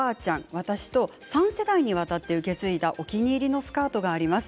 私と３世代にわたって受け継いだお気に入りのスカートがあります。